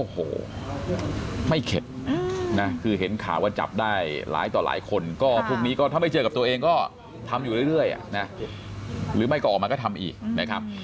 โอ้โหไม่เข็ดนะคือเห็นข่าวว่าจับได้หลายต่อหลายคนก็พรุ่งนี้ก็ถ้าไม่เจอกับตัวเองก็ทำอยู่เรื่อยหรือไม่ก็ออกมาก็ทำอีกนะครับ